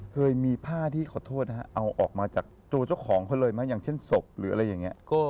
เคยมีผ้าที่ขอโทษนะฮะเอาออกมาจากตัวเจ้าของเขาเลยไหมอย่างเช่นศพหรืออะไรอย่างนี้